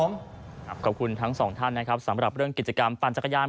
ขอบคุณทั้งสองท่านนะครับสำหรับเรื่องกิจกรรมปั่นจักรยาน